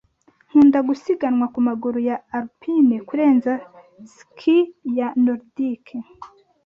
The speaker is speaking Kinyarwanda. Nkunda gusiganwa ku maguru ya Alpine kurenza ski ya Nordic.